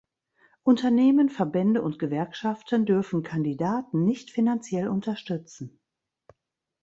Unternehmen, Verbände und Gewerkschaften dürfen Kandidaten nicht finanziell unterstützen.